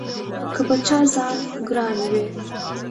که په چا ځان ګران وي